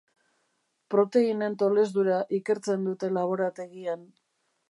Proteinen tolesdura ikertzen dute laborategian.